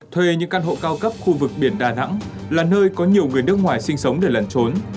thuê những căn hộ cao cấp khu vực biển đà nẵng là nơi có nhiều người nước ngoài sinh sống để lẩn trốn